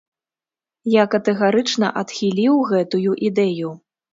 Я катэгарычна адхіліў гэтую ідэю.